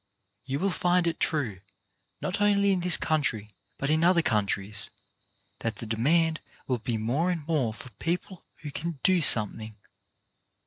You will find it true, not only in this country but in other countries, that the demand will be more and more for people who can do something.